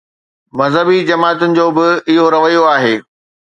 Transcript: مذهبي جماعتن جو به اهو رويو آهي.